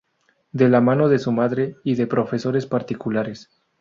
De la mano de su madre y de profesores particulares.